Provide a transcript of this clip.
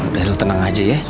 udah tenang aja ya